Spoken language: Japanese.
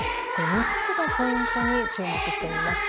３つのポイントに注目してみました。